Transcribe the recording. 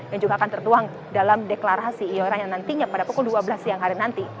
yang juga akan tertuang dalam deklarasi ayora yang nantinya pada pukul dua belas siang hari nanti